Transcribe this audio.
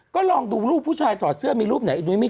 ก็ลองดูรูปผู้ชายถอดเสื้อมีรูปไหนไอ้นุ้ย